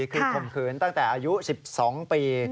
คือข่มขืนตั้งแต่อายุ๑๒ปี